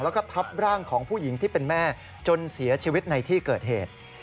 แล้วก็ทับร่างของผู้หญิงที่เป็นแม่จนเสียชีวิตในที่เกิดเหตุ